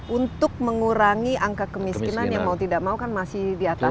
untuk mengurangi angka kemiskinan yang mau tidak mau kan masih di atas